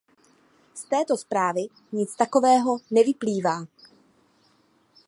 Z této zprávy nic takového nevyplývá.